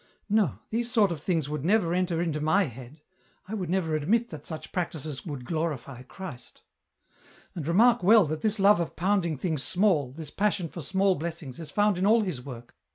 No ! these sort of things would never enter into my EN ROUTE. 293 head ; I would never admit that such practices would glorify Christ. " And remark well that this love of pounding things small, this passion for small blessings, is found in all his work.